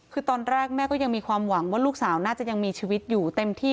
คือตอนแรกแม่ก็ยังมีความหวังว่าลูกสาวน่าจะยังมีชีวิตอยู่เต็มที่